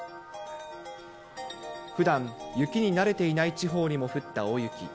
ふだん、雪に慣れていない地方にも降った大雪。